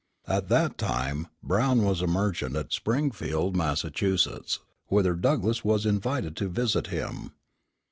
At that time Brown was a merchant at Springfield, Massachusetts, whither Douglass was invited to visit him.